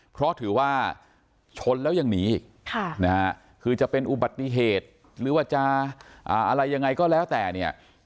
เพราะถือว่าชนแล้วยังหนีอีกนะฮะคือจะเป็นอุบัติเหตุหรือว่าจะอะไรยังไงก็แล้วแต่เนี่ย